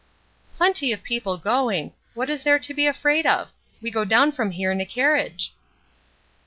"Plenty of people going. What is there to be afraid of? We go down from here in a carriage."